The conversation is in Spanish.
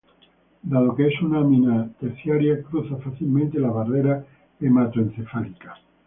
Dado que es una amina terciaria, cruza fácilmente la barrera hematoencefálica.